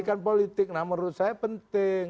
karena menurut saya penting